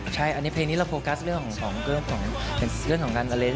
ใช่อันนี้เพลงนี้เราโฟกัสเรื่องของการละเล่น